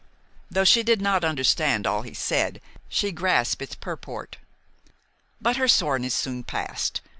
Though she did not understand all he said, she grasped its purport. But her soreness soon passed.